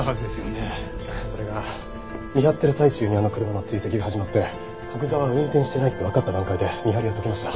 それが見張ってる最中にあの車の追跡が始まって古久沢は運転してないってわかった段階で見張りは解きました。